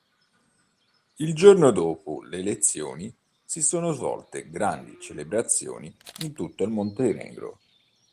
Il giorno dopo le elezioni si sono svolte grandi celebrazioni in tutto il Montenegro.